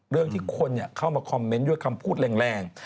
เรื่องที่คนเข้ามาคอมเมนต์ด้วยคำพูดแรง